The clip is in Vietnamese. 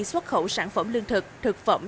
xuất khẩu sản phẩm lương thực thực phẩm